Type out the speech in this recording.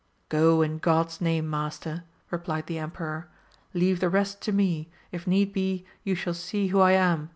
Go in God's name master ! replied the emperor, leave the rest to me, if need be you shall see who I am.